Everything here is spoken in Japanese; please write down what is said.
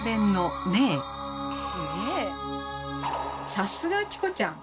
さすがチコちゃん！